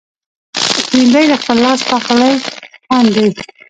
بېنډۍ د خپل لاس پخلي خوند دی